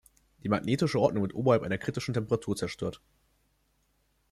Die magnetische Ordnung wird oberhalb einer kritischen Temperatur zerstört.